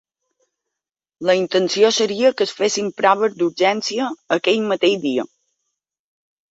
La intenció seria que es fessin proves d’urgència aquell mateix dia.